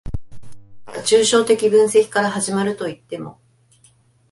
知識は抽象的分析から始まるといっても、